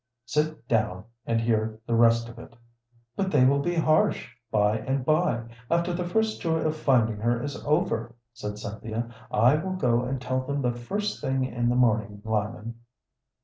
Sit down and hear the rest of it." "But they will be harsh by and by, after the first joy of finding her is over," said Cynthia. "I will go and tell them the first thing in the morning, Lyman."